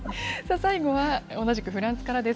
最後は同じくフランスからです。